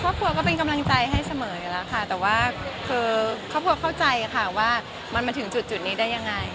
ก็เป็นกำลังใจให้เสมออยู่แล้วค่ะแต่ว่าคือครอบครัวเข้าใจค่ะว่ามันมาถึงจุดนี้ได้ยังไง